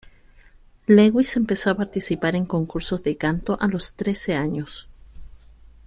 Lewis empezó a participar en concursos de canto a los trece años.